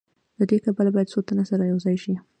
له دې کبله باید څو تنه سره یوځای شي